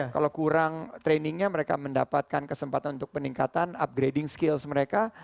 kalau kurang trainingnya mereka mendapatkan kesempatan untuk peningkatan upgrading skills mereka